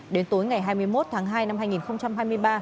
đến tối ngày hai mươi một tháng hai năm hai nghìn hai mươi ba